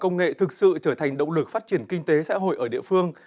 công nghệ thực sự trở thành động lực phát triển kinh tế xã hội ở địa phương